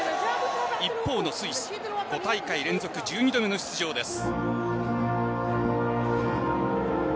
一方のスイス、５大会連続１２度目の出場です。